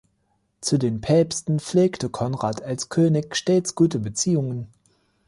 Zu den Päpsten pflegte Konrad als König stets gute Beziehungen.